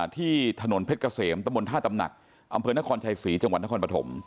ที่ถนนเพชรเกษมตะมนท่าตำหนักอำเภอนครชัยศรีจังหวัดนครปฐม